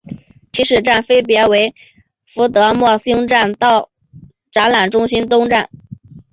起始站分别为费德莫兴站到展览中心东站。